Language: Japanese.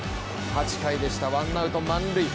８回でした、ワンアウト満塁